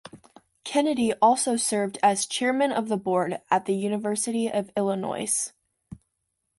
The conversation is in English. Kennedy also served as Chairman of the board at the University of Illinois.